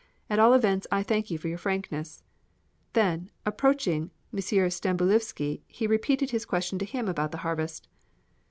At all events I thank you for your frankness." Then, approaching M. Stambulivski, he repeated to him his question about the harvest.